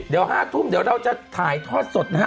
เดี๋ยว๕ทุ่มเราจะถ่ายทอดสดนะฮะ